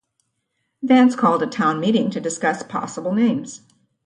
Vance called a town meeting to discuss possible names.